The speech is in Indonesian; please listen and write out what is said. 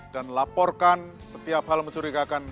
dan laporkan setiap hal mencurigakan